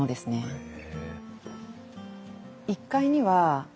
へえ。